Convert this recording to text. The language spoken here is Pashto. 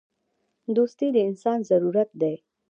• دوستي د انسان ضرورت دی.